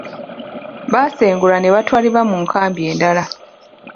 Baasengulwa ne batwalibwa mu nkambi endala.